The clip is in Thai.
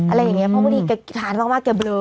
อะไรอย่างนี้เพราะว่าพอดีก็ขาดมากเกือบเบลอ